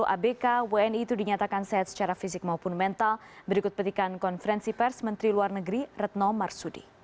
sepuluh abk wni itu dinyatakan sehat secara fisik maupun mental berikut petikan konferensi pers menteri luar negeri retno marsudi